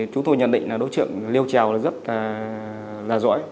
chúng tôi nhận định là đối trượng liêu trèo rất là rõ